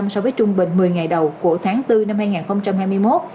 so với trung bình một mươi ngày đầu của tháng bốn năm hai nghìn hai mươi một